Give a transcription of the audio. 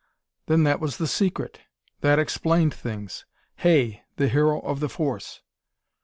Then that was the secret; that explained things! Hay, the hero of the force!